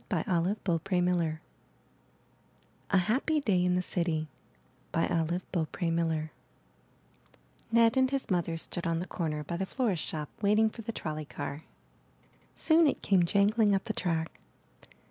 Tf^ o, /^ M Y B O OK H O U S E A HAPPY DAY IN THE CITY Olive Beaupre Miller Ned and his mother stood on the corner by the florist's shop waiting for the trolley car. Soon it came jangling up the track.